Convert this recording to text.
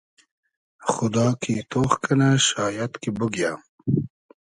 خودا کی تۉخ کئنۂ شایئد کی بوگیۂ